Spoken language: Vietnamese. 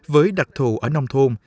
với đặc thù ở nông thôn